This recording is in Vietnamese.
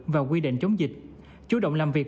và quy định chống dịch chủ động làm việc